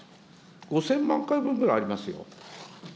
５０００万回分ぐらいありますよ。